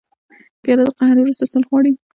پیاله د قهر وروسته صلح غواړي.